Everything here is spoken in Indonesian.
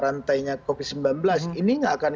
rantainya covid sembilan belas ini nggak akan